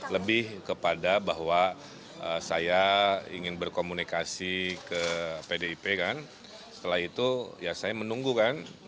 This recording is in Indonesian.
lebih kepada bahwa saya ingin berkomunikasi ke pdip kan setelah itu ya saya menunggu kan